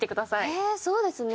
えーっそうですね